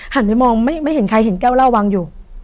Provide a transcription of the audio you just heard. หันไปมองไม่เห็นใครเห็นแก้วเหล้าวางอยู่